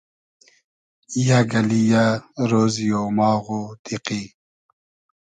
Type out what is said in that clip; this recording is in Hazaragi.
یئگ اللی یۂ رۉزی اۉماغ و دیقی